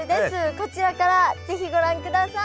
こちらから是非ご覧ください。